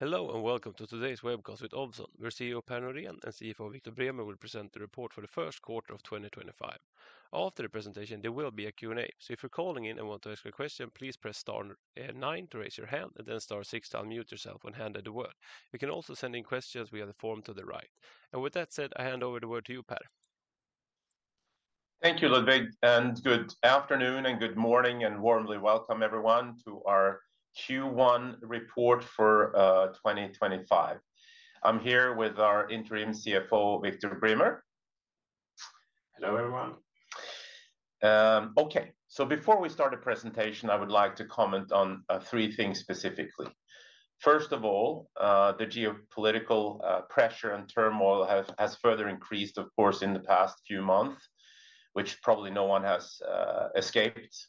Hello, and welcome to today's webcast with Ovzon. Our CEO Per Norén and CFO Viktor Bremer will present the report for the first quarter of 2025. After the presentation, there will be a Q&A, so if you're calling in and want to ask a question, please press star nine to raise your hand, and then star six to unmute yourself and hand over the word. You can also send in questions via the form to the right. With that said, I hand over the word to you, Per. Thank you, Ludwig. Good afternoon, and good morning, and warmly welcome everyone to our Q1 report for 2025. I'm here with our interim CFO, Viktor Bremer. Hello, everyone. Okay, so before we start the presentation, I would like to comment on three things specifically. First of all, the geopolitical pressure and turmoil has further increased, of course, in the past few months, which probably no one has escaped.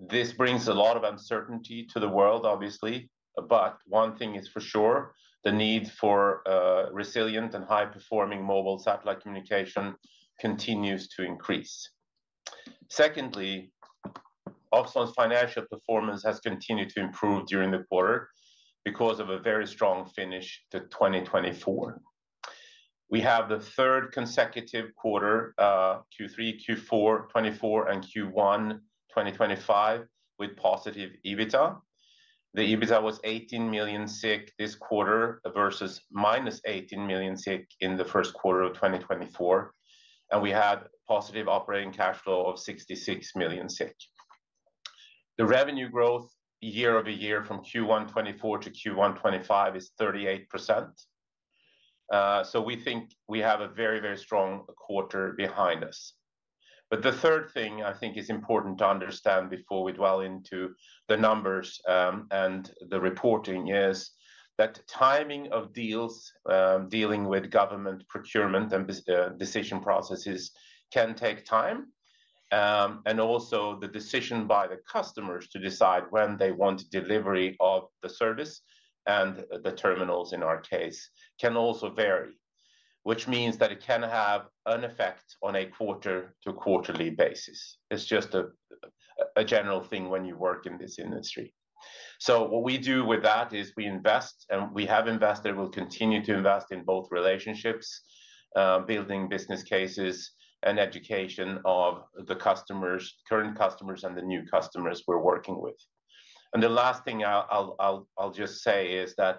This brings a lot of uncertainty to the world, obviously. One thing is for sure: the need for resilient and high-performing mobile satellite communication continues to increase. Secondly, Ovzon's financial performance has continued to improve during the quarter because of a very strong finish to 2024. We have the third consecutive quarter, Q3, Q4, Q4, and Q1 2025, with positive EBITDA. The EBITDA was 18 million this quarter versus minus 18 million in the first quarter of 2024. We had a positive operating cash flow of 66 million. The revenue growth year over year from Q1 2024 to Q1 2025 is 38%. We think we have a very, very strong quarter behind us. The third thing I think is important to understand before we dwell into the numbers and the reporting is that the timing of deals dealing with government procurement and decision processes can take time. Also, the decision by the customers to decide when they want delivery of the service and the terminals, in our case, can also vary, which means that it can have an effect on a quarter-to-quarterly basis. It's just a general thing when you work in this industry. What we do with that is we invest, and we have invested, and we'll continue to invest in both relationships, building business cases, and education of the customers, current customers, and the new customers we're working with. The last thing I'll just say is that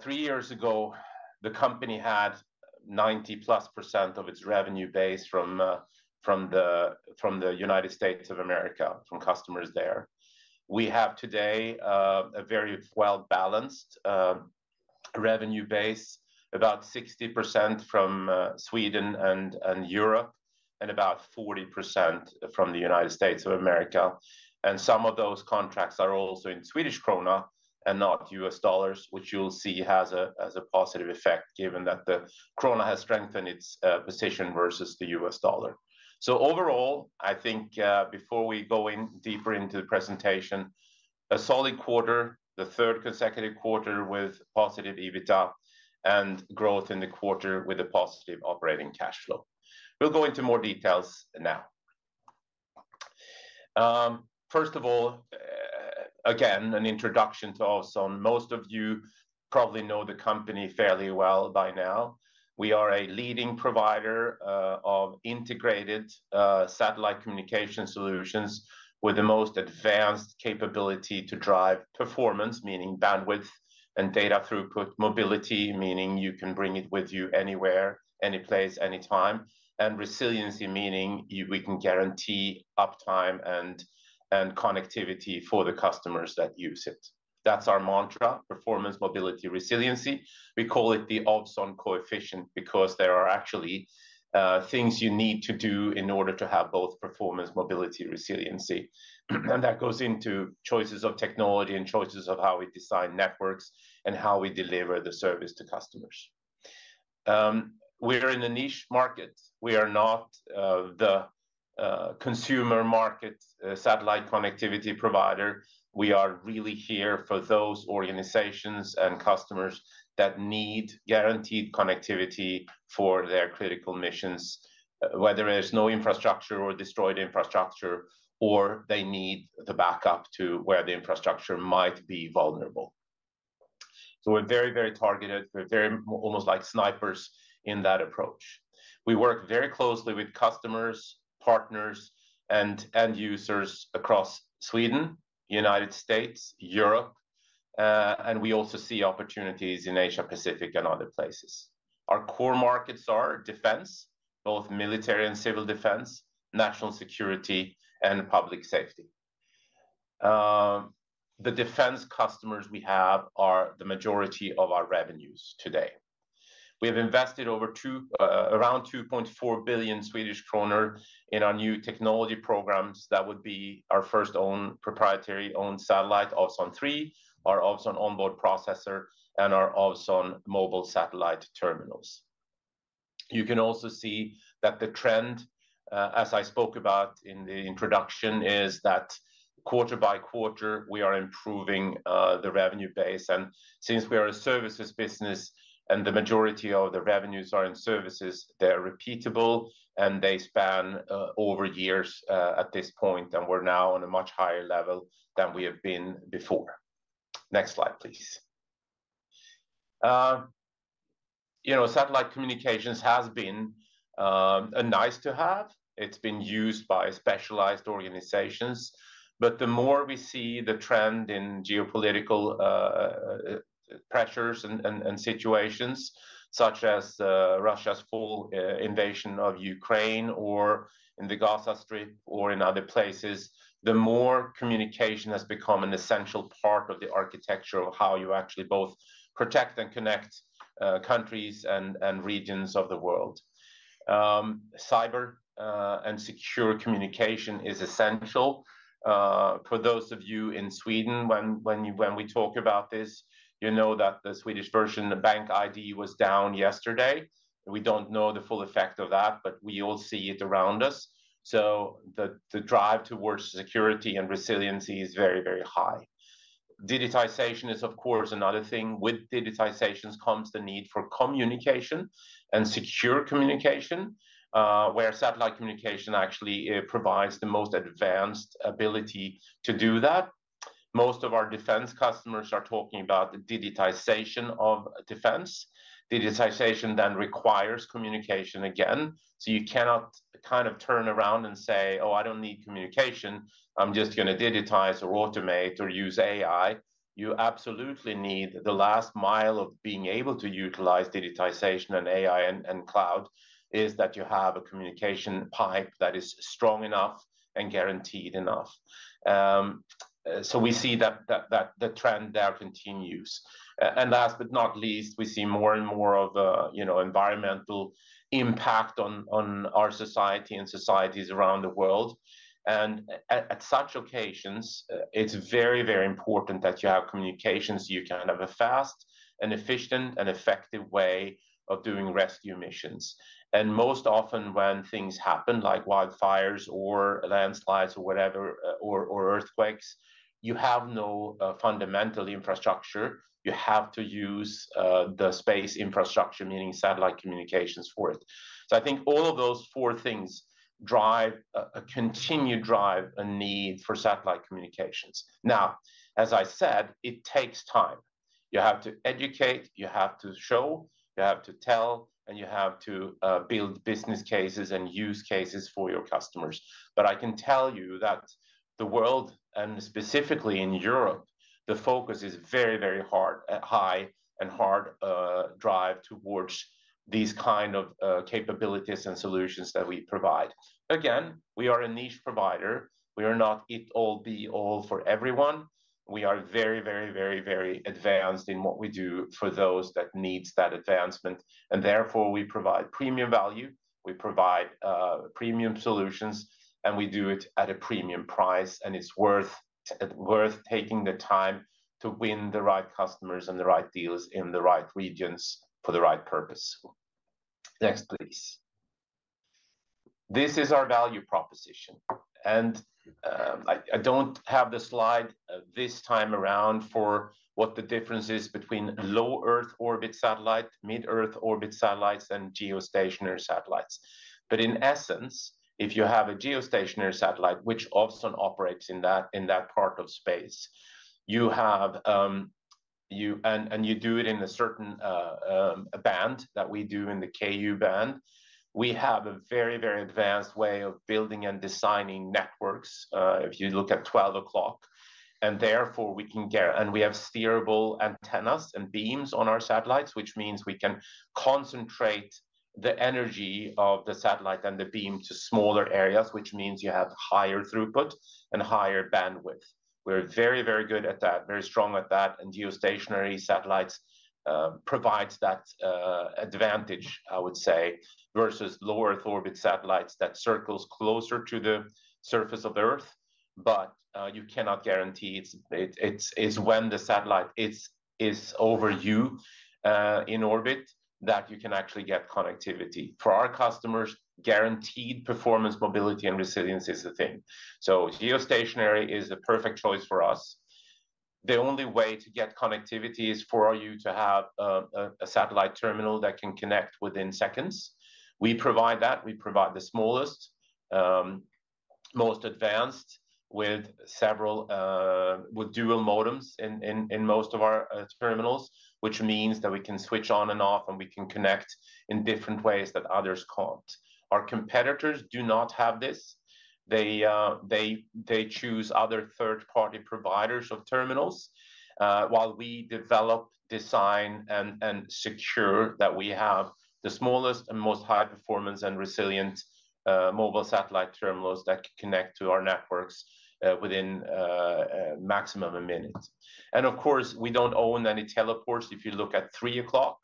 three years ago, the company had 90+% of its revenue base from the U.S. of America, from customers there. We have today a very well-balanced revenue base, about 60% from Sweden and Europe, and about 40% from the U.S. of America. Some of those contracts are also in SEK and not US dollars, which you'll see has a positive effect, given that the krona has strengthened its position versus the US dollar. Overall, I think before we go deeper into the presentation, a solid quarter, the third consecutive quarter with positive EBITDA and growth in the quarter with a positive operating cash flow. We'll go into more details now. First of all, again, an introduction to Ovzon. Most of you probably know the company fairly well by now. We are a leading provider of integrated satellite communication solutions with the most advanced capability to drive performance, meaning bandwidth and data throughput, mobility, meaning you can bring it with you anywhere, any place, any time, and resiliency, meaning we can guarantee uptime and connectivity for the customers that use it. That's our mantra: performance, mobility, resiliency. We call it the Ovzon Coefficient because there are actually things you need to do in order to have both performance, mobility, and resiliency. That goes into choices of technology and choices of how we design networks and how we deliver the service to customers. We're in a niche market. We are not the consumer market satellite connectivity provider. We are really here for those organizations and customers that need guaranteed connectivity for their critical missions, whether there is no infrastructure or destroyed infrastructure, or they need the backup to where the infrastructure might be vulnerable. We are very, very targeted. We are very almost like snipers in that approach. We work very closely with customers, partners, and end users across Sweden, the United States, Europe, and we also see opportunities in Asia-Pacific and other places. Our core markets are defense, both military and civil defense, national security, and public safety. The defense customers we have are the majority of our revenues today. We have invested over around 2.4 billion Swedish kronor in our new technology programs. That would be our first owned proprietary owned satellite, Ovzon 3, our Ovzon On-Board Processor, and our Ovzon mobile satellite terminals. You can also see that the trend, as I spoke about in the introduction, is that quarter by quarter, we are improving the revenue base. Since we are a services business and the majority of the revenues are in services, they're repeatable and they span over years at this point. We're now on a much higher level than we have been before. Next slide, please. You know, satellite communications has been a nice to have. It's been used by specialized organizations. The more we see the trend in geopolitical pressures and situations, such as Russia's full invasion of Ukraine or in the Gaza Strip or in other places, the more communication has become an essential part of the architecture of how you actually both protect and connect countries and regions of the world. Cyber and secure communication is essential. For those of you in Sweden, when we talk about this, you know that the Swedish version of BankID was down yesterday. We do not know the full effect of that, but we all see it around us. The drive towards security and resiliency is very, very high. Digitization is, of course, another thing. With digitization comes the need for communication and secure communication, where satellite communication actually provides the most advanced ability to do that. Most of our defense customers are talking about the digitization of defense. Digitization then requires communication again. You cannot kind of turn around and say, "Oh, I do not need communication. I am just going to digitize or automate or use AI." You absolutely need the last mile of being able to utilize digitization and AI and cloud is that you have a communication pipe that is strong enough and guaranteed enough. We see that the trend there continues. Last but not least, we see more and more of an environmental impact on our society and societies around the world. At such occasions, it's very, very important that you have communications so you can have a fast, efficient, and effective way of doing rescue missions. Most often, when things happen, like wildfires or landslides or whatever, or earthquakes, you have no fundamental infrastructure. You have to use the space infrastructure, meaning satellite communications for it. I think all of those four things drive a continued drive and need for satellite communications. Now, as I said, it takes time. You have to educate, you have to show, you have to tell, and you have to build business cases and use cases for your customers. I can tell you that the world, and specifically in Europe, the focus is very, very high and hard drive towards these kinds of capabilities and solutions that we provide. Again, we are a niche provider. We are not it-all-be-all for everyone. We are very, very, very, very advanced in what we do for those that need that advancement. Therefore, we provide premium value. We provide premium solutions, and we do it at a premium price. It is worth taking the time to win the right customers and the right deals in the right regions for the right purpose. Next, please. This is our value proposition. I do not have the slide this time around for what the difference is between low Earth orbit satellite, mid-Earth orbit satellites, and geostationary satellites. In essence, if you have a geostationary satellite, which Ovzon operates in that part of space, and you do it in a certain band that we do in the Ku-band, we have a very, very advanced way of building and designing networks. If you look at 12 o'clock, and therefore we can get, and we have steerable antennas and beams on our satellites, which means we can concentrate the energy of the satellite and the beam to smaller areas, which means you have higher throughput and higher bandwidth. We're very, very good at that, very strong at that. Geostationary satellites provide that advantage, I would say, versus low Earth orbit satellites that circle closer to the surface of Earth. You cannot guarantee it's when the satellite is over you in orbit that you can actually get connectivity. For our customers, guaranteed performance, mobility, and resilience is the thing. Geostationary is the perfect choice for us. The only way to get connectivity is for you to have a satellite terminal that can connect within seconds. We provide that. We provide the smallest, most advanced, with dual modems in most of our terminals, which means that we can switch on and off, and we can connect in different ways that others can't. Our competitors do not have this. They choose other third-party providers of terminals, while we develop, design, and secure that we have the smallest and most high-performance and resilient mobile satellite terminals that connect to our networks within a maximum of a minute. Of course, we don't own any teleports if you look at 3 o'clock.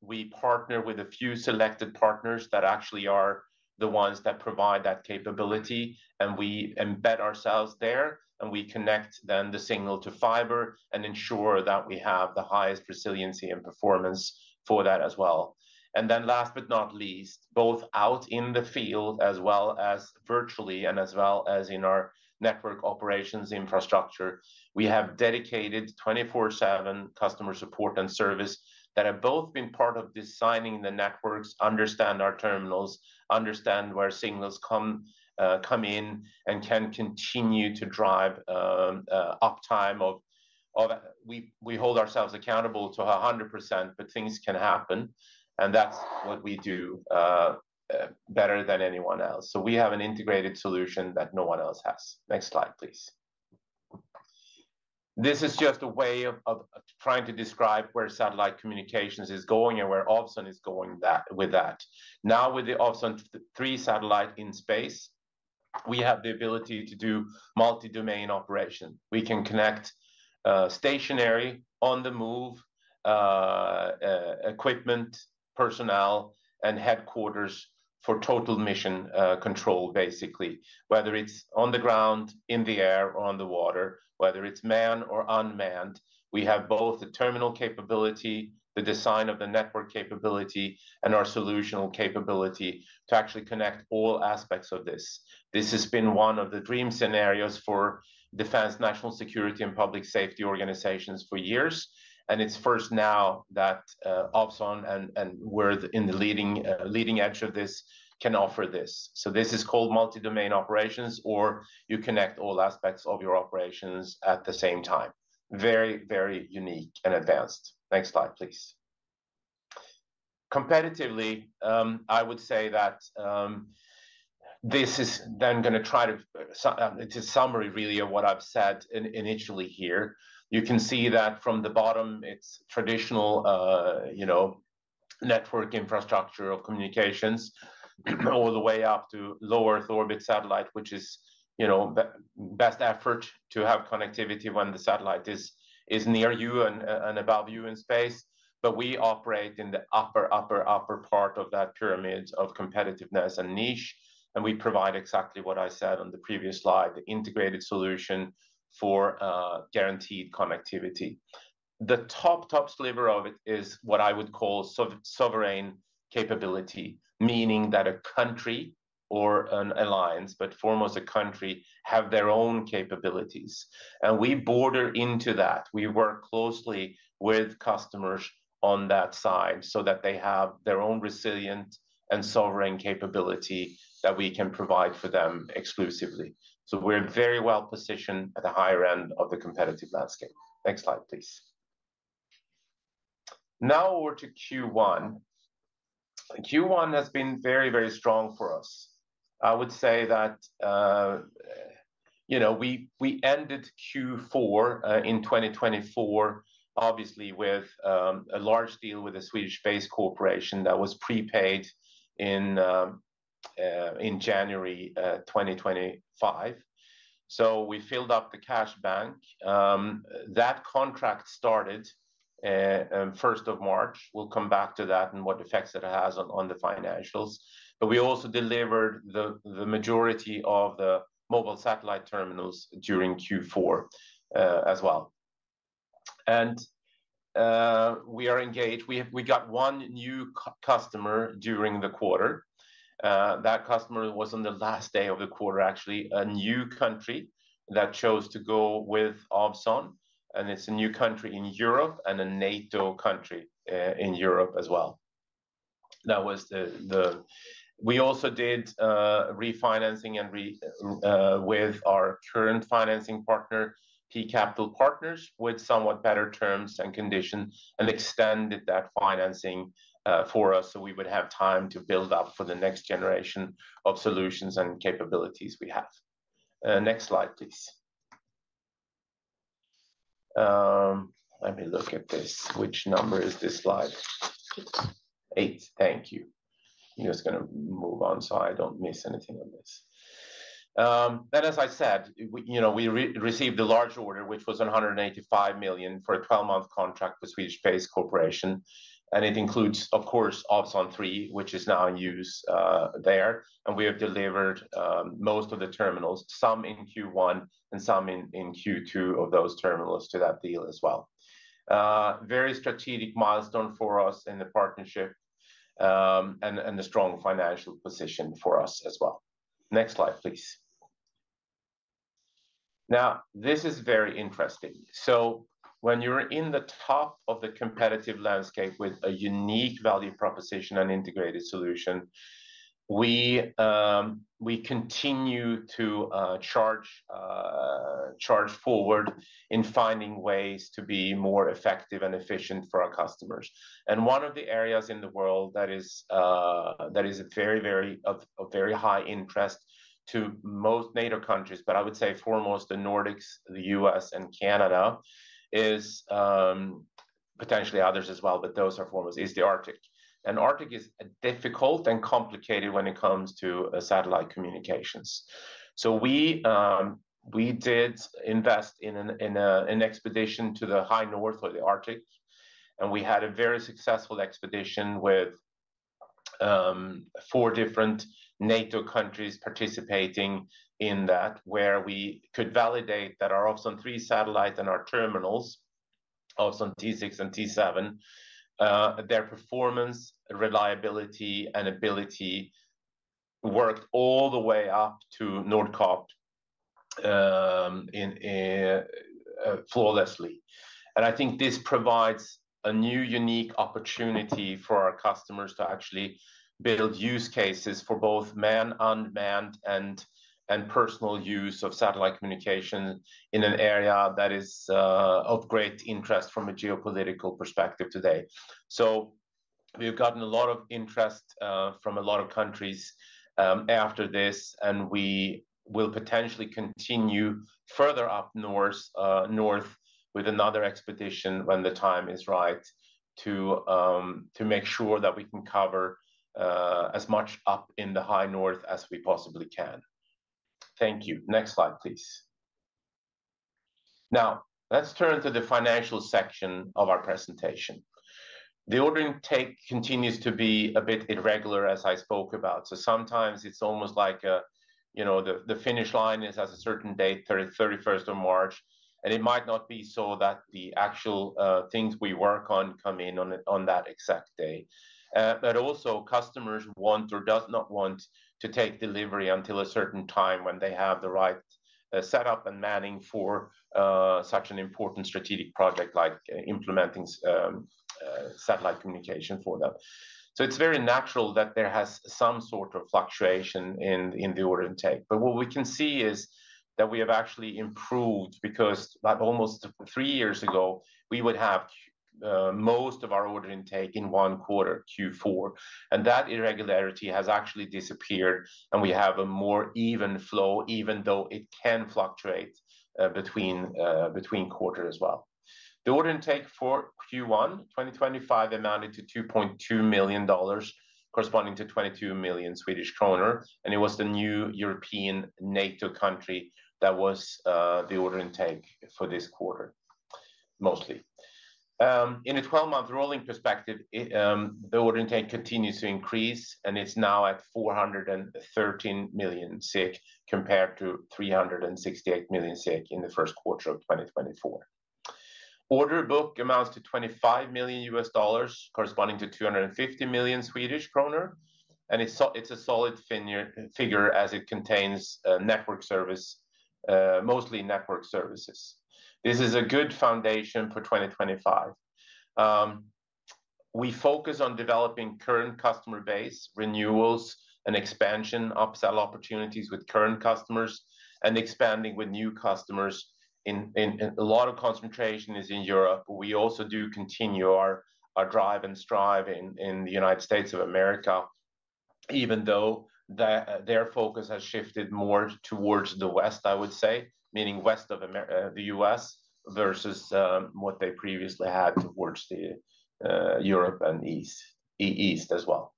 We partner with a few selected partners that actually are the ones that provide that capability. We embed ourselves there, and we connect then the signal to fiber and ensure that we have the highest resiliency and performance for that as well. Last but not least, both out in the field as well as virtually and as well as in our network operations infrastructure, we have dedicated 24/7 customer support and service that have both been part of designing the networks, understand our terminals, understand where signals come in, and can continue to drive uptime. We hold ourselves accountable to 100%, but things can happen. That is what we do better than anyone else. We have an integrated solution that no one else has. Next slide, please. This is just a way of trying to describe where satellite communications is going and where Ovzon is going with that. Now, with the Ovzon 3 satellite in space, we have the ability to do multi-domain operation. We can connect stationary on the move equipment, personnel, and headquarters for total mission control, basically, whether it's on the ground, in the air, or on the water, whether it's manned or unmanned. We have both the terminal capability, the design of the network capability, and our solutional capability to actually connect all aspects of this. This has been one of the dream scenarios for Defense National Security and Public Safety Organizations for years. It is first now that Ovzon, and we're in the leading edge of this, can offer this. This is called multi-domain operations, where you connect all aspects of your operations at the same time. Very, very unique and advanced. Next slide, please. Competitively, I would say that this is then going to try to, it's a summary, really, of what I've said initially here. You can see that from the bottom, it's traditional network infrastructure of communications all the way up to low Earth orbit satellite, which is best effort to have connectivity when the satellite is near you and above you in space. We operate in the upper, upper, upper part of that pyramid of competitiveness and niche. We provide exactly what I said on the previous slide, the integrated solution for guaranteed connectivity. The top, top sliver of it is what I would call sovereign capability, meaning that a country or an alliance, but foremost a country, have their own capabilities. We border into that. We work closely with customers on that side so that they have their own resilient and sovereign capability that we can provide for them exclusively. We are very well positioned at the higher end of the competitive landscape. Next slide, please. Now over to Q1. Q1 has been very, very strong for us. I would say that we ended Q4 in 2024, obviously, with a large deal with a Swedish-based corporation that was prepaid in January 2025. We filled up the cash bank. That contract started 1st of March. We will come back to that and what effects it has on the financials. We also delivered the majority of the mobile satellite terminals during Q4 as well. We are engaged. We got one new customer during the quarter. That customer was on the last day of the quarter, actually, a new country that chose to go with Ovzon. It's a new country in Europe and a NATO country in Europe as well. We also did refinancing with our current financing partner, P Capital Partners, with somewhat better terms and conditions and extended that financing for us so we would have time to build up for the next generation of solutions and capabilities we have. Next slide, please. Let me look at this. Which number is this slide? Eight. Eight. Thank you. I'm just going to move on so I don't miss anything on this. As I said, we received a large order, which was 185 million for a 12-month contract with Swedish Space Corporation. It includes, of course, Ovzon 3, which is now in use there. We have delivered most of the terminals, some in Q1 and some in Q2 of those terminals to that deal as well. Very strategic milestone for us in the partnership and a strong financial position for us as well. Next slide, please. This is very interesting. When you're in the top of the competitive landscape with a unique value proposition and integrated solution, we continue to charge forward in finding ways to be more effective and efficient for our customers. One of the areas in the world that is a very, very high interest to most NATO countries, but I would say foremost the Nordics, the U.S., and Canada, is potentially others as well, but those are foremost, is the Arctic. Arctic is difficult and complicated when it comes to satellite communications. We did invest in an expedition to the High North or the Arctic. We had a very successful expedition with four different NATO countries participating in that, where we could validate that our Ovzon 3 satellite and our terminals, Ovzon T6 and T7, their performance, reliability, and ability worked all the way up to Nordkapp flawlessly. I think this provides a new unique opportunity for our customers to actually build use cases for both manned, unmanned, and personal use of satellite communication in an area that is of great interest from a geopolitical perspective today. We have gotten a lot of interest from a lot of countries after this. We will potentially continue further up north with another expedition when the time is right to make sure that we can cover as much up in the high north as we possibly can. Thank you. Next slide, please. Now, let's turn to the financial section of our presentation. The ordering take continues to be a bit irregular, as I spoke about. Sometimes it's almost like the finish line is at a certain date, 31st of March. It might not be so that the actual things we work on come in on that exact day. Also, customers want or do not want to take delivery until a certain time when they have the right setup and manning for such an important strategic project like implementing satellite communication for them. It is very natural that there has some sort of fluctuation in the ordering take. What we can see is that we have actually improved because almost three years ago, we would have most of our ordering take in one quarter, Q4. That irregularity has actually disappeared. We have a more even flow, even though it can fluctuate between quarters as well. The ordering take for Q1 2025 amounted to $2.2 million, corresponding to 22 million Swedish kronor. It was the new European NATO country that was the ordering take for this quarter, mostly. In a 12-month rolling perspective, the ordering take continues to increase. It is now at 413 million compared to 368 million in the first quarter of 2024. Order book amounts to $25 million, corresponding to 250 million Swedish kronor. It is a solid figure as it contains network service, mostly network services. This is a good foundation for 2025. We focus on developing current customer base, renewals, and expansion upsell opportunities with current customers and expanding with new customers. A lot of concentration is in Europe. We also do continue our drive and strive in the United States of America, even though their focus has shifted more towards the west, I would say, meaning west of the U.S. versus what they previously had towards Europe and east as well.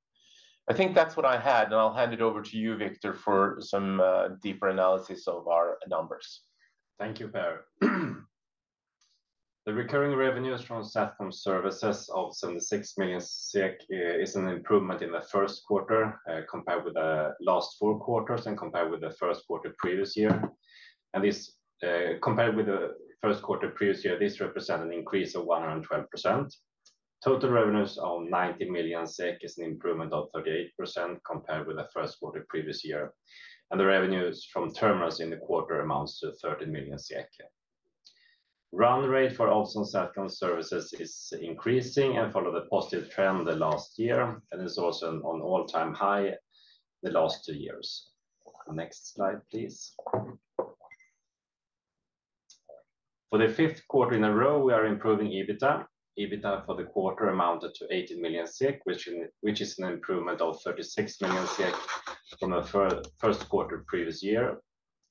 I think that's what I had. I'll hand it over to you, Viktor, for some deeper analysis of our numbers. Thank you, Per. The recurring revenues from SATCOM services, Ovzon 6 million SEK, is an improvement in the first quarter compared with the last four quarters and compared with the first quarter previous year. Compared with the first quarter previous year, this represents an increase of 112%. Total revenues of 90 million SEK is an improvement of 38% compared with the first quarter previous year. The revenues from terminals in the quarter amounts to 30 million. Run rate for Ovzon SATCOM services is increasing and followed a positive trend the last year. It's also on all-time high the last two years. Next slide, please. For the fifth quarter in a row, we are improving EBITDA. EBITDA for the quarter amounted to 80 million, which is an improvement of 36 million from the first quarter previous year.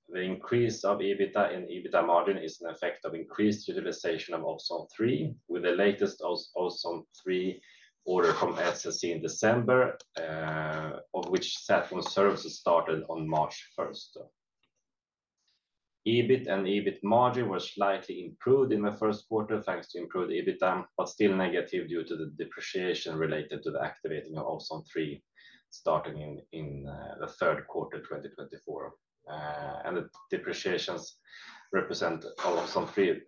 The increase of EBITDA and EBITDA margin is an effect of increased utilization of Ovzon 3, with the latest Ovzon 3 order from SSC in December, of which SATCOM services started on March 1st. EBIT and EBIT margin were slightly improved in the first quarter thanks to improved EBITDA, but still negative due to the depreciation related to the activating of Ovzon 3 starting in the third quarter 2024. The depreciations of Ovzon 3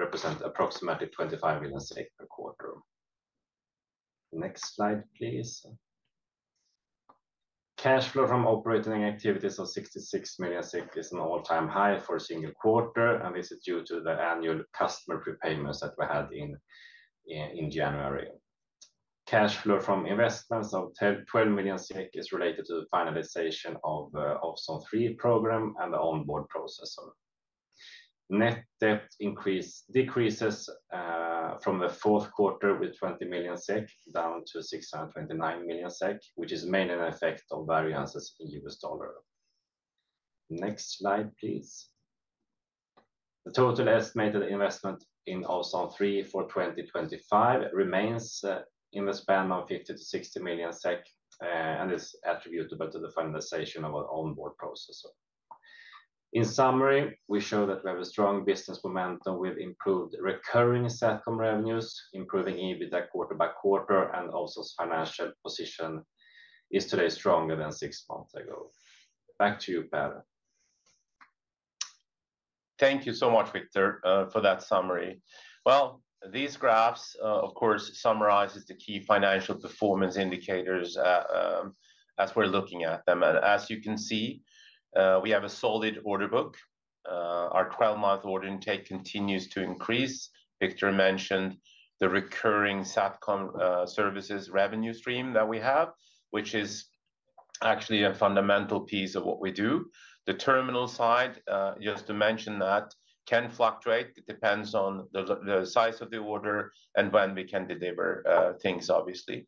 represent approximately 25 million per quarter. Next slide, please. Cash flow from operating activities of 66 million is an all-time high for a single quarter. This is due to the annual customer prepayments that we had in January. Cash flow from investments of 12 million is related to the finalization of the Ovzon 3 program and the onboard processor. Net debt decreases from the fourth quarter with 20 million SEK down to 629 million SEK, which is mainly an effect of variances in US dollar. Next slide, please. The total estimated investment in Ovzon 3 for 2025 remains in the span of 50-60 million SEK and is attributable to the finalization of our onboard processor. In summary, we show that we have a strong business momentum with improved recurring SATCOM revenues, improving EBITDA quarter by quarter, and Ovzon's financial position is today stronger than six months ago. Back to you, Per. Thank you so much, Viktor, for that summary. These graphs, of course, summarize the key financial performance indicators as we're looking at them. As you can see, we have a solid order book. Our 12-month ordering take continues to increase. Viktor mentioned the recurring SATCOM services revenue stream that we have, which is actually a fundamental piece of what we do. The terminal side, just to mention that, can fluctuate. It depends on the size of the order and when we can deliver things, obviously.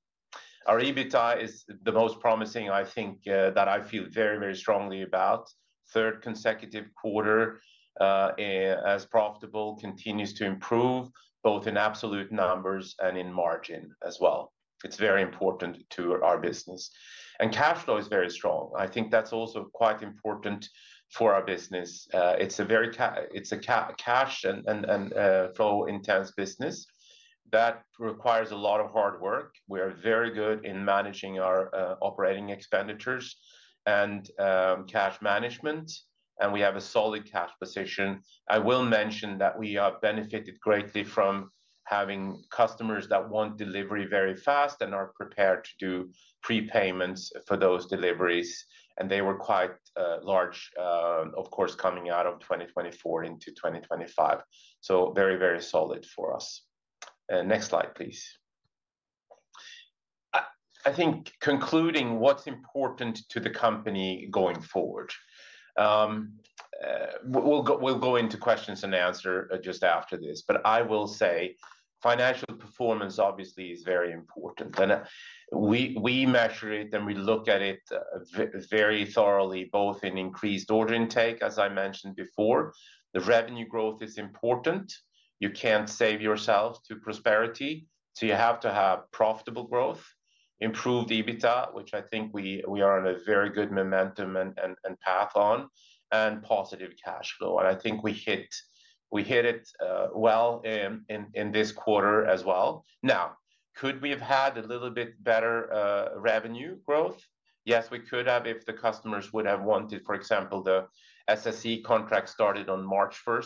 Our EBITDA is the most promising, I think, that I feel very, very strongly about. Third consecutive quarter as profitable continues to improve both in absolute numbers and in margin as well. It is very important to our business. Cash flow is very strong. I think that is also quite important for our business. It's a cash and flow-intense business that requires a lot of hard work. We are very good in managing our operating expenditures and cash management. We have a solid cash position. I will mention that we have benefited greatly from having customers that want delivery very fast and are prepared to do prepayments for those deliveries. They were quite large, of course, coming out of 2024 into 2025. Very, very solid for us. Next slide, please. I think concluding what's important to the company going forward. We'll go into questions and answers just after this. I will say financial performance, obviously, is very important. We measure it and we look at it very thoroughly, both in increased ordering take, as I mentioned before. The revenue growth is important. You can't save yourself to prosperity. You have to have profitable growth, improved EBITDA, which I think we are on a very good momentum and path on, and positive cash flow. I think we hit it well in this quarter as well. Could we have had a little bit better revenue growth? Yes, we could have if the customers would have wanted. For example, the SSC contract started on March 1.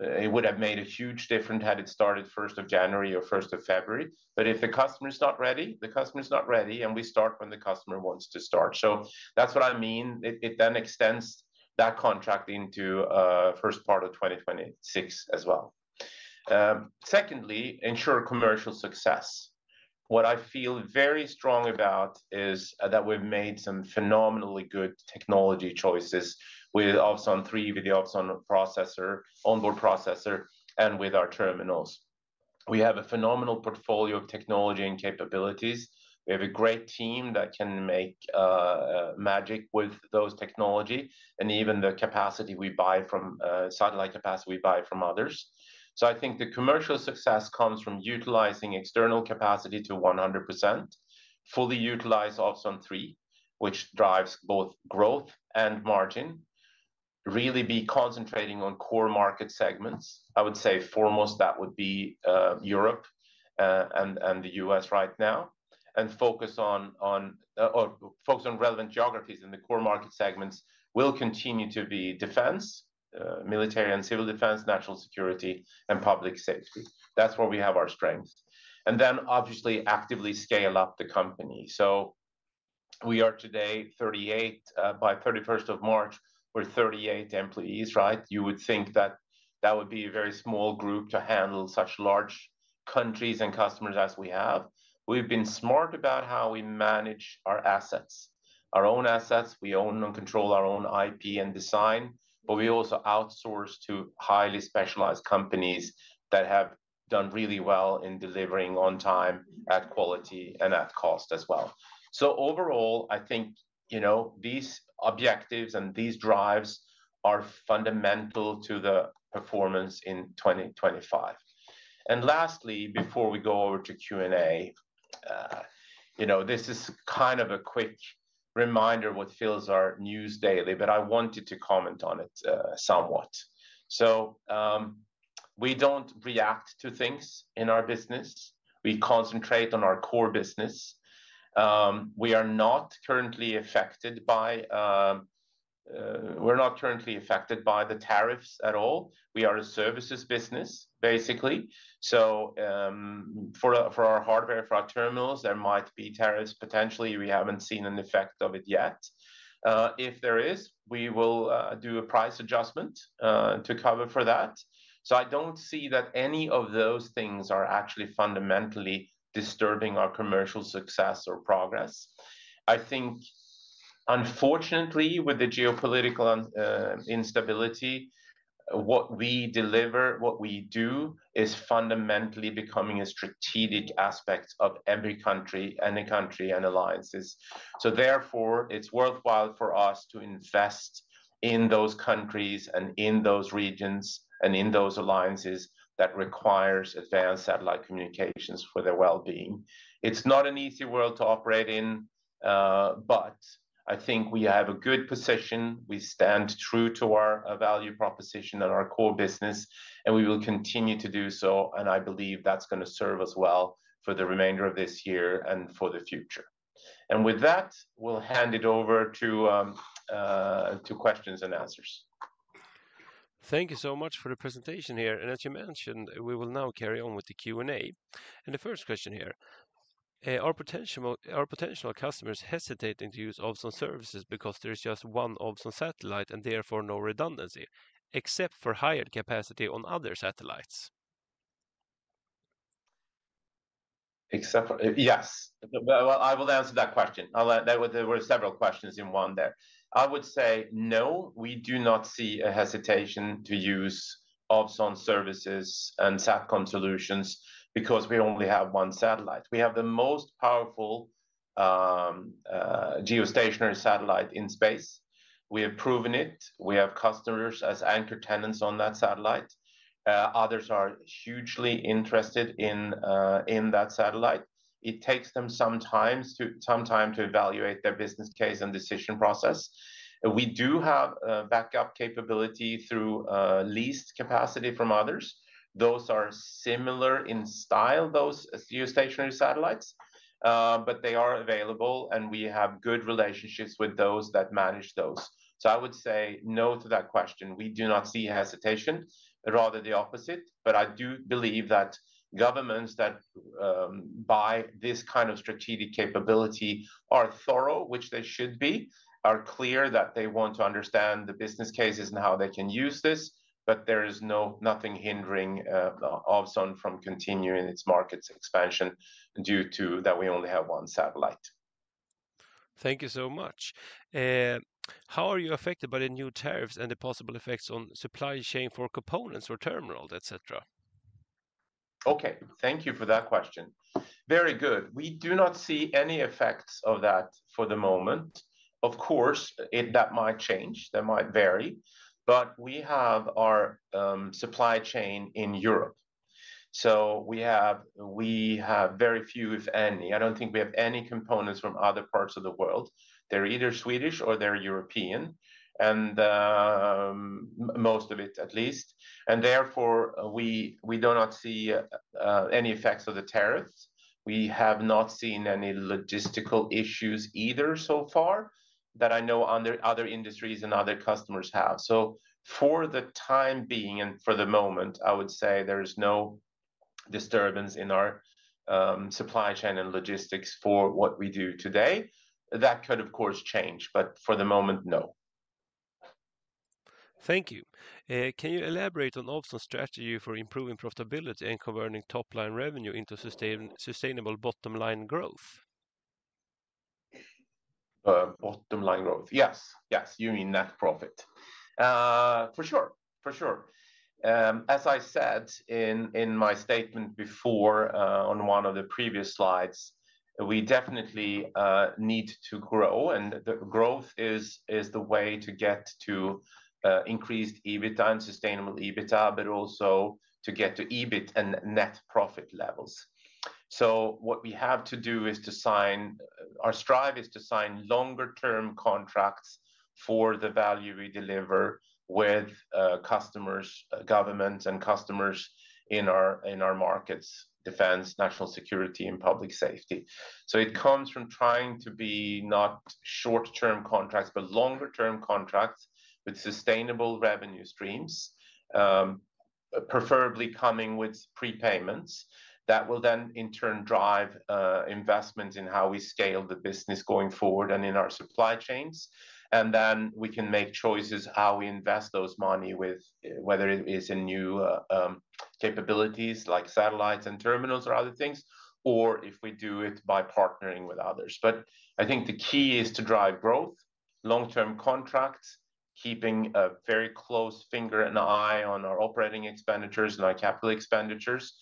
It would have made a huge difference had it started January 1 or February 1. If the customer is not ready, the customer is not ready, and we start when the customer wants to start. That is what I mean. It then extends that contract into the first part of 2026 as well. Secondly, ensure commercial success. What I feel very strong about is that we've made some phenomenally good technology choices with Ovzon 3, with the Ovzon On-Board Processor, and with our terminals. We have a phenomenal portfolio of technology and capabilities. We have a great team that can make magic with those technologies and even the capacity we buy from satellite capacity we buy from others. I think the commercial success comes from utilizing external capacity to 100%, fully utilize Ovzon 3, which drives both growth and margin, really be concentrating on core market segments. I would say foremost that would be Europe and the U.S. right now, and focus on relevant geographies. The core market segments will continue to be defense, military and civil defense, national security, and public safety. That is where we have our strength. Obviously, actively scale up the company. We are today 38. By 31st of March, we're 38 employees, right? You would think that that would be a very small group to handle such large countries and customers as we have. We've been smart about how we manage our assets, our own assets. We own and control our own IP and design. We also outsource to highly specialized companies that have done really well in delivering on time, at quality, and at cost as well. Overall, I think these objectives and these drives are fundamental to the performance in 2025. Lastly, before we go over to Q&A, this is kind of a quick reminder of what fills our news daily, but I wanted to comment on it somewhat. We do not react to things in our business. We concentrate on our core business. We are not currently affected by the tariffs at all. We are a services business, basically. For our hardware, for our terminals, there might be tariffs potentially. We have not seen an effect of it yet. If there is, we will do a price adjustment to cover for that. I do not see that any of those things are actually fundamentally disturbing our commercial success or progress. I think, unfortunately, with the geopolitical instability, what we deliver, what we do, is fundamentally becoming a strategic aspect of every country and a country and alliances. Therefore, it is worthwhile for us to invest in those countries and in those regions and in those alliances that require advanced satellite communications for their well-being. It is not an easy world to operate in, but I think we have a good position. We stand true to our value proposition and our core business, and we will continue to do so. I believe that's going to serve us well for the remainder of this year and for the future. With that, we'll hand it over to questions and answers. Thank you so much for the presentation here. As you mentioned, we will now carry on with the Q&A. The first question here, are potential customers hesitating to use Ovzon services because there is just one Ovzon satellite and therefore no redundancy, except for higher capacity on other satellites? Yes. I will answer that question. There were several questions in one there. I would say no, we do not see a hesitation to use Ovzon services and SATCOM solutions because we only have one satellite. We have the most powerful geostationary satellite in space. We have proven it. We have customers as anchor tenants on that satellite. Others are hugely interested in that satellite. It takes them some time to evaluate their business case and decision process. We do have backup capability through leased capacity from others. Those are similar in style, those geostationary satellites, but they are available, and we have good relationships with those that manage those. I would say no to that question. We do not see hesitation, rather the opposite. I do believe that governments that buy this kind of strategic capability are thorough, which they should be, are clear that they want to understand the business cases and how they can use this. There is nothing hindering Ovzon from continuing its market expansion due to that we only have one satellite. Thank you so much. How are you affected by the new tariffs and the possible effects on supply chain for components or terminals, etc.? Thank you for that question. Very good. We do not see any effects of that for the moment. Of course, that might change. That might vary. We have our supply chain in Europe. We have very few, if any. I do not think we have any components from other parts of the world. They are either Swedish or they are European, most of it at least. Therefore, we do not see any effects of the tariffs. We have not seen any logistical issues either so far that I know other industries and other customers have. For the time being and for the moment, I would say there is no disturbance in our supply chain and logistics for what we do today. That could, of course, change. For the moment, no. Thank you. Can you elaborate on Ovzon's strategy for improving profitability and converting top-line revenue into sustainable bottom-line growth? Bottom-line growth, yes. Yes, you mean net profit. For sure. For sure. As I said in my statement before on one of the previous slides, we definitely need to grow. Growth is the way to get to increased EBITDA and sustainable EBITDA, but also to get to EBIT and net profit levels. What we have to do is to sign, our strive is to sign longer-term contracts for the value we deliver with customers, governments, and customers in our markets, defense, national security, and public safety. It comes from trying to be not short-term contracts, but longer-term contracts with sustainable revenue streams, preferably coming with prepayments that will then, in turn, drive investments in how we scale the business going forward and in our supply chains. We can make choices how we invest those money, whether it is in new capabilities like satellites and terminals or other things, or if we do it by partnering with others. I think the key is to drive growth, long-term contracts, keeping a very close finger and eye on our operating expenditures, like capital expenditures,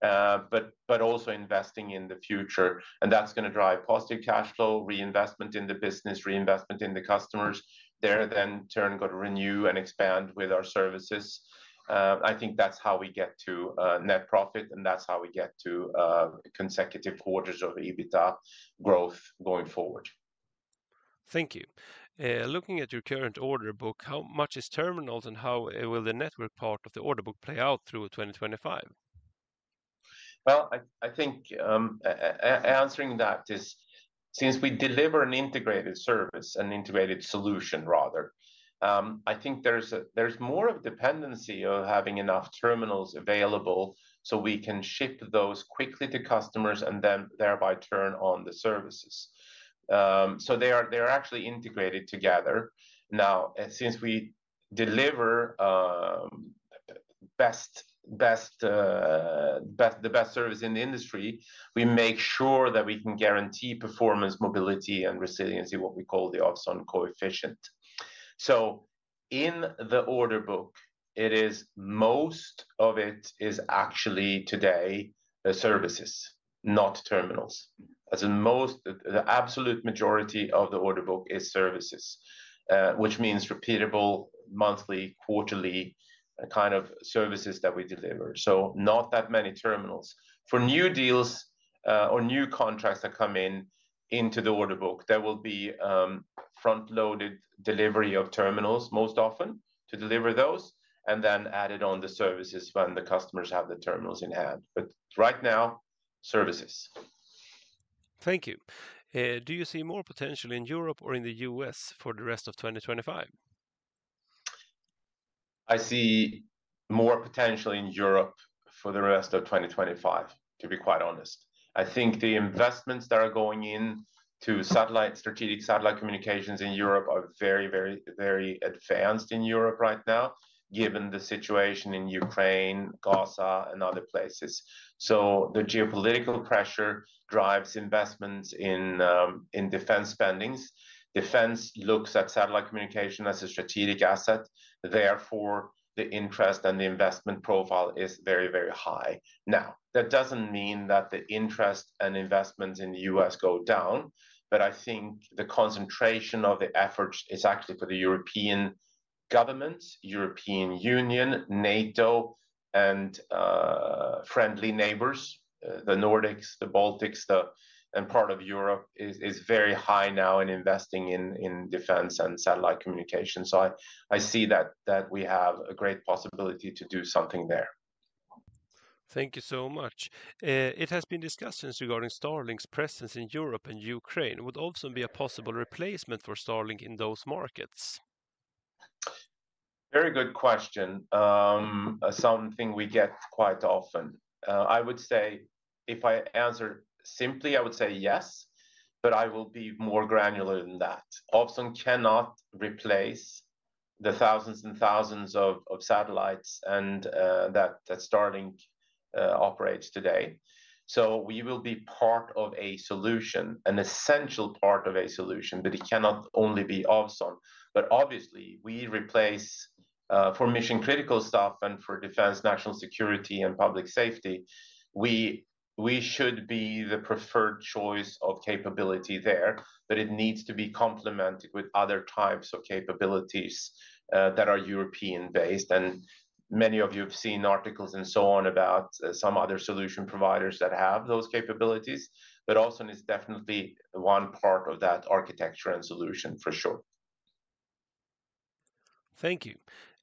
but also investing in the future. That is going to drive positive cash flow, reinvestment in the business, reinvestment in the customers. They are then, in turn, going to renew and expand with our services. I think that is how we get to net profit, and that is how we get to consecutive quarters of EBITDA growth going forward. Thank you. Looking at your current order book, how much is terminals and how will the network part of the order book play out through 2025? I think answering that is, since we deliver an integrated service, an integrated solution, rather, I think there's more of a dependency of having enough terminals available so we can ship those quickly to customers and then thereby turn on the services. They are actually integrated together. Since we deliver the best service in the industry, we make sure that we can guarantee performance, mobility, and resiliency, what we call the Ovzon Coefficient. In the order book, most of it is actually today services, not terminals. The absolute majority of the order book is services, which means repeatable monthly, quarterly kind of services that we deliver. Not that many terminals. For new deals or new contracts that come into the order book, there will be front-loaded delivery of terminals most often to deliver those and then added on the services when the customers have the terminals in hand. Right now, services. Thank you. Do you see more potential in Europe or in the U.S. for the rest of 2025? I see more potential in Europe for the rest of 2025, to be quite honest. I think the investments that are going into strategic satellite communications in Europe are very, very, very advanced in Europe right now, given the situation in Ukraine, Gaza, and other places. The geopolitical pressure drives investments in defense spendings. Defense looks at satellite communication as a strategic asset. Therefore, the interest and the investment profile is very, very high. Now, that does not mean that the interest and investments in the U.S. go down, but I think the concentration of the efforts is actually for the European government, European Union, NATO, and friendly neighbors, the Nordics, the Baltics, and part of Europe is very high now in investing in defense and satellite communications. I see that we have a great possibility to do something there. Thank you so much. It has been discussions regarding Starlink's presence in Europe and Ukraine. Would Ovzon be a possible replacement for Starlink in those markets? Very good question. Something we get quite often. I would say, if I answer simply, I would say yes, but I will be more granular than that. Ovzon cannot replace the thousands and thousands of satellites that Starlink operates today. We will be part of a solution, an essential part of a solution, but it cannot only be Ovzon. Obviously, we replace for mission-critical stuff and for defense, national security, and public safety. We should be the preferred choice of capability there, but it needs to be complemented with other types of capabilities that are European-based. Many of you have seen articles and so on about some other solution providers that have those capabilities. Ovzon is definitely one part of that architecture and solution, for sure. Thank you.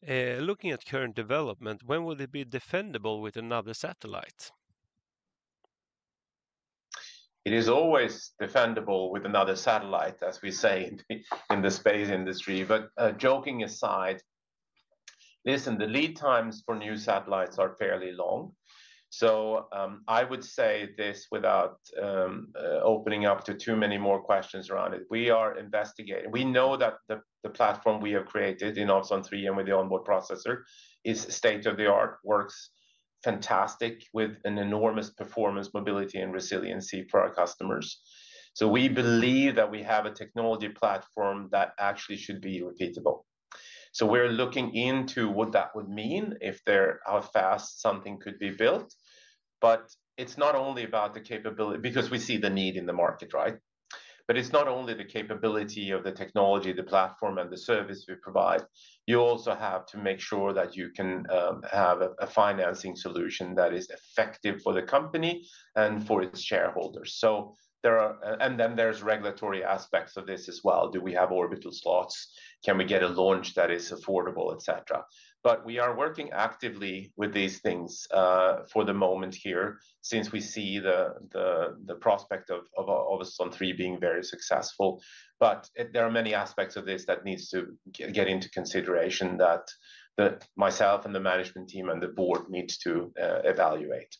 Looking at current development, when will it be defendable with another satellite? It is always defendable with another satellite, as we say in the space industry. Joking aside, listen, the lead times for new satellites are fairly long. I would say this without opening up to too many more questions around it. We are investigating. We know that the platform we have created in Ovzon 3 with the onboard processor is state-of-the-art, works fantastic with an enormous performance, mobility, and resiliency for our customers. We believe that we have a technology platform that actually should be repeatable. We're looking into what that would mean if there are fast something could be built. It is not only about the capability because we see the need in the market, right? It is not only the capability of the technology, the platform, and the service we provide. You also have to make sure that you can have a financing solution that is effective for the company and for its shareholders. There are regulatory aspects of this as well. Do we have orbital slots? Can we get a launch that is affordable, etc.? We are working actively with these things for the moment here since we see the prospect of Ovzon 3 being very successful. There are many aspects of this that need to get into consideration that myself and the management team and the board need to evaluate.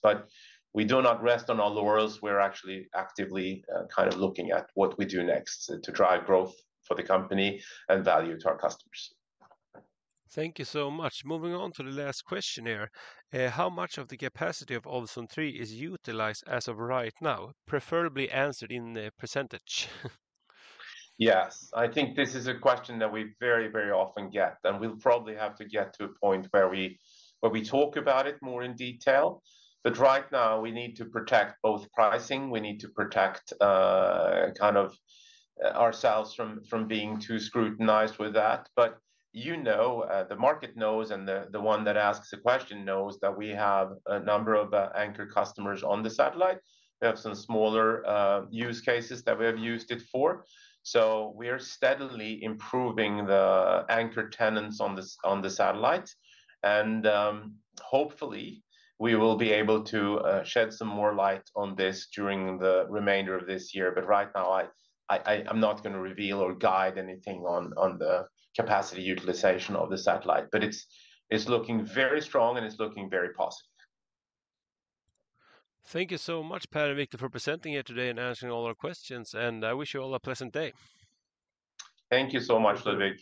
We do not rest on our laurels. We're actually actively kind of looking at what we do next to drive growth for the company and value to our customers. Thank you so much. Moving on to the last question here. How much of the capacity of Ovzon 3 is utilized as of right now? Preferably answered in the percentage. Yes. I think this is a question that we very, very often get. We'll probably have to get to a point where we talk about it more in detail. Right now, we need to protect both pricing. We need to protect kind of ourselves from being too scrutinized with that. You know the market knows and the one that asks the question knows that we have a number of anchor customers on the satellite. We have some smaller use cases that we have used it for. We are steadily improving the anchor tenants on the satellites. Hopefully, we will be able to shed some more light on this during the remainder of this year. Right now, I'm not going to reveal or guide anything on the capacity utilization of the satellite. It's looking very strong and it's looking very positive. Thank you so much, Per and Viktor, for presenting here today and answering all our questions. I wish you all a pleasant day. Thank you so much, Ludwig.